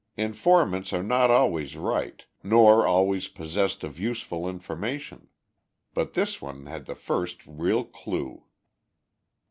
Informants are not always right, nor always possessed of useful information. But this one had the first real clue.